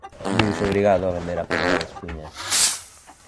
Viuse obrigado a vender a Coroa de espiñas.